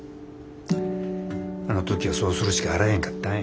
あの時はそうするしかあらへんかったんや。